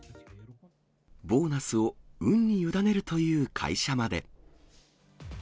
ボーナスを運に委ねるという会社まで。